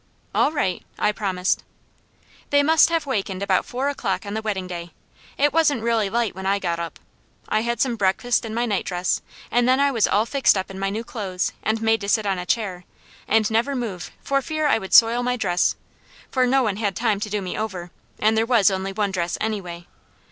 "All right," I promised. They must have wakened about four o'clock on the wedding day; it wasn't really light when I got up. I had some breakfast in my night dress, and then I was all fixed up in my new clothes, and made to sit on a chair, and never move for fear I would soil my dress, for no one had time to do me over, and there was only one dress anyway.